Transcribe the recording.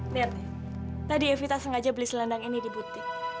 lihat nih tadi evita sengaja beli selendang ini di butik